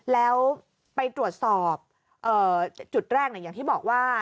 แล้วไปตรวจสอบจุดแรกอย่างที่บอกว่า